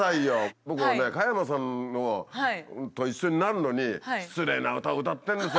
僕はね加山さんと一緒になるのに失礼な歌を歌ってるんですよ